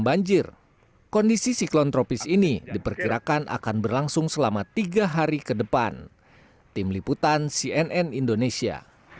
banjir kondisi siklon tropis ini diperkirakan akan berlangsung selama tiga hari ke depan tim liputan cnn indonesia